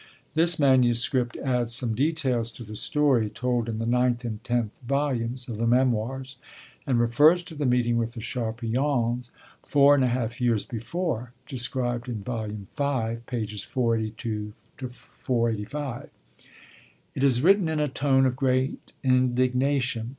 This manuscript adds some details to the story told in the ninth and tenth volumes of the Memoirs, and refers to the meeting with the Charpillons four and a half years before, described in Volume V., pages 482 485. It is written in a tone of great indignation.